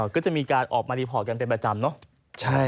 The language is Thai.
ก็จะมีการออกมารีพอร์ตกันเป็นประจำเนอะ